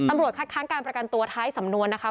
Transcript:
คัดค้างการประกันตัวท้ายสำนวนนะคะ